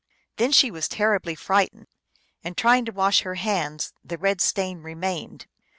Then she was terribly frightened. And trying to wash her hands, the red stain remained.